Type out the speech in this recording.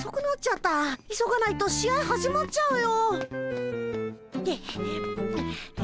急がないと試合始まっちゃうよ。